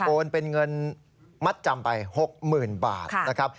โอนเป็นเงินมัดจำไป๖๐๐๐บาทนะครับ